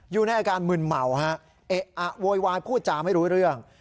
อยู่ในอาการมึนเมาฮะเอะอะโวยวายพูดจาไม่รู้เรื่อง